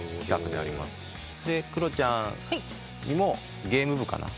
クロちゃんにもゲーム部かな。